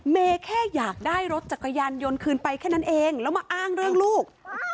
แค่อยากได้รถจักรยานยนต์คืนไปแค่นั้นเองแล้วมาอ้างเรื่องลูก